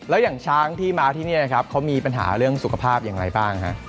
แล้วอย่างช้างที่มาที่นี่นะครับเขามีปัญหาเรื่องสุขภาพอย่างไรบ้างฮะ